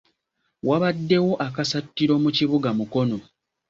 Wabaddewo akasattiro mu kibuga Mukono.